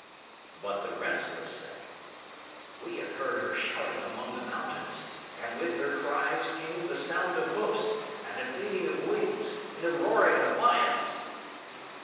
But the restless say, "We have heard her shouting among the mountains, And with her cries came the sound of hoofs, and the beating of wings and the roaring of lions."